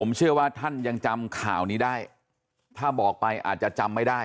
เชื่อว่าท่านยังจำข่าวนี้ได้ถ้าบอกไปอาจจะจำไม่ได้